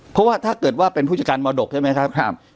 เพราะว่าถ้าเกิดว่าเป็นผู้จัดการมรดกใช่ไหมครับ